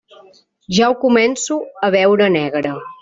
Ja ho començo a veure negre.